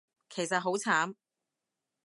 其實好慘